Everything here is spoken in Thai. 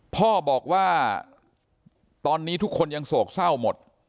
พ่อบอกว่าตอนนี้ทุกคนยังโศกเศร้าหมด